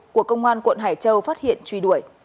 của công an quận hải châu phát hiện truy đuổi